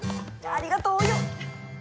ありがとうお葉！